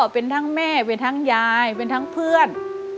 เป็นทั้งแม่เป็นทั้งยายเป็นทั้งเพื่อน